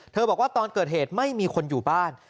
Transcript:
บอกว่าตอนเกิดเหตุไม่มีคนอยู่บ้าน